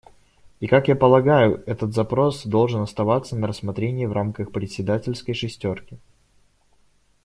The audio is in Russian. И как я полагаю, этот запрос должен оставаться на рассмотрении в рамках председательской шестерки.